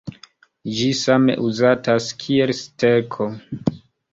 Ĝi same uzatas kiel sterko.